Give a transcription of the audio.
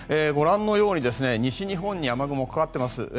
ご覧のように西日本に雨雲がかかっています。